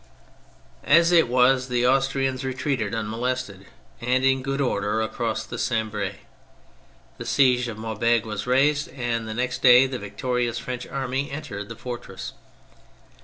As it was, the Austrians retreated unmolested and in good order across the Sambre. The siege of Maubeuge was riiised ; and the next day the victorious French army entered the fortress.